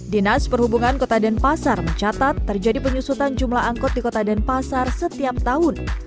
dinas perhubungan kota denpasar mencatat terjadi penyusutan jumlah angkot di kota denpasar setiap tahun